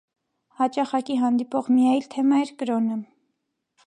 Հաճախակի հանդիպող մի այլ թեմա էր կրոնը։